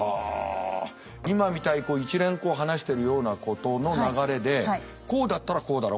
今みたいに一連こう話してるようなことの流れで「こうだったらこうだろ」